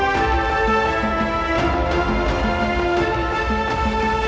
สวัสดีครับสวัสดีครับ